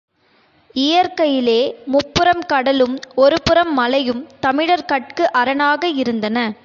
இயற்கையிலே முப்புறம் கடலும் ஒருபுறம் மலையும் தமிழர்கட்கு அரணாக இருந்தன.